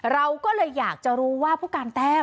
เราก็เลยอยากจะรู้ว่าผู้การแต้ม